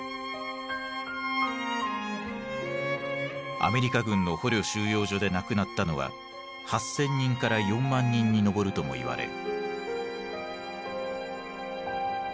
アメリカ軍の捕虜収容所で亡くなったのは８，０００人から４万人に上るともいわれる。